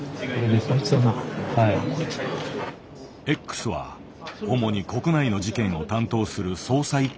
Ｘは主に国内の事件を担当する捜査一課の課長。